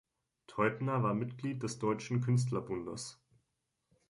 Teubner war Mitglied des Deutschen Künstlerbundes.